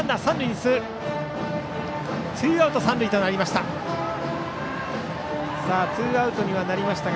ツーアウト、三塁となりました。